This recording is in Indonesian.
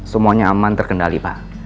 semuanya aman terkendali pak